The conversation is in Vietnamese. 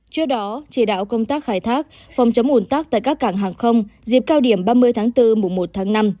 trước đó chỉ đạo công tác khai thác phòng chống ủn tắc tại các cảng hàng không dịp cao điểm ba mươi tháng bốn mùa một tháng năm